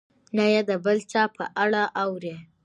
نه یې د بل چا په اړه اوري.